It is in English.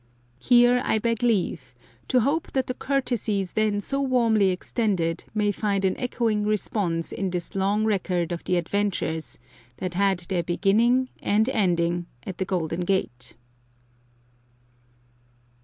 Here, I beg leave to hope that the courtesies then so warmly extended may find an echoing response in this long record of the adventures that had their beginning and ending at the Golden Gate.